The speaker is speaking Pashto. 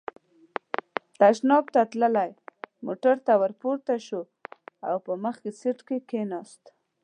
تشناب ته تللی، موټر ته ور پورته شو او په مخکې سېټ کې کېناست.